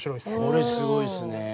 これすごいっすね。